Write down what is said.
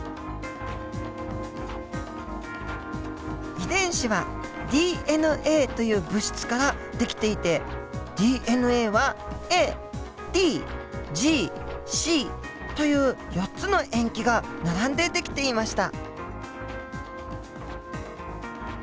遺伝子はＤＮＡという物質から出来ていてＤＮＡはＡＴＧＣという４つの塩基が並んで出来ていました。